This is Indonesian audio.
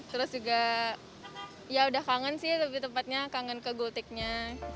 terus juga ya udah kangen sih lebih tepatnya kangen ke gultiknya